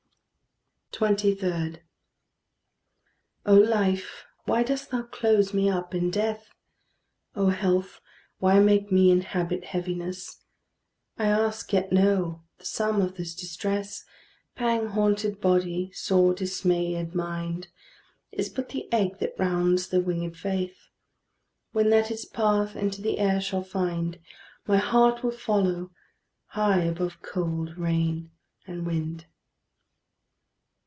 23. O Life, why dost thou close me up in death? O Health, why make me inhabit heaviness? I ask, yet know: the sum of this distress, Pang haunted body, sore dismayed mind, Is but the egg that rounds the winged faith; When that its path into the air shall find, My heart will follow, high above cold, rain, and wind.